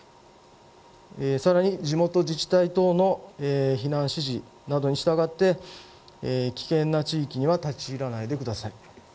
さらに地元自治体などの避難指示などに従って危険な地域には立ち入らないでください。